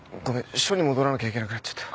署に戻らなきゃいけなくなっちゃった。